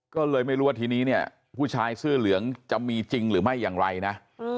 ก็เลยไม่รู้ว่าทีนี้เนี่ยผู้ชายเสื้อเหลืองจะมีจริงหรือไม่อย่างไรนะ